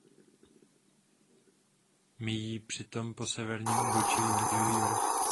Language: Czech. Míjí při tom po severním úbočí Křížový vrch.